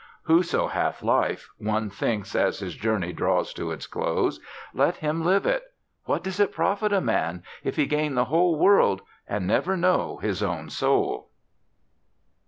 Whoso hath life, one thinks as his journey draws to its close, let him live it! What does it profit a man, if he gain the whole world and never know his own soul?